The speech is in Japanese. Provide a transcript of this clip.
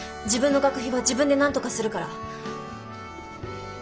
自分の学費は自分でなんとかするから。